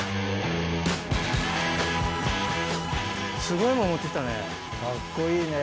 すごいもん持って来たね。